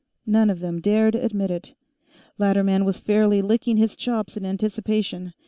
None of them dared admit it. Latterman was fairly licking his chops in anticipation.